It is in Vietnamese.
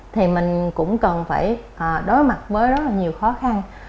thì mình cũng cần phải đối mặt với rất là nhiều khó khăn